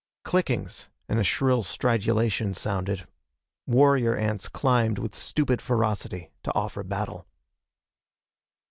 Clickings and a shrill stridulation sounded. Warrior ants climbed with stupid ferocity to offer battle.